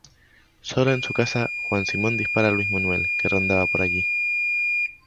Sola en su casa, Juan Simón dispara a Luis Manuel, que rondaba por allí.